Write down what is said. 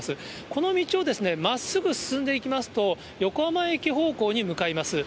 この道をまっすぐ進んでいきますと、横浜駅方向に向かいます。